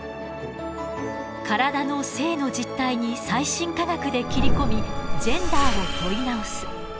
体の性の実態に最新科学で切り込みジェンダーを問い直す。